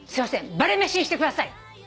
バレ飯にしてください。